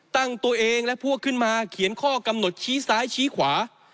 ตั้งตัวเองและพวกขึ้นมาเขียนข้อกำหนดชี้ซ้ายชี้ขวา